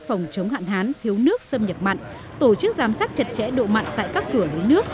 phòng chống hạn hán thiếu nước xâm nhập mặn tổ chức giám sát chặt chẽ độ mặn tại các cửa lưới nước